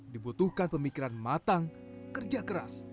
dibutuhkan pemikiran matang kerja keras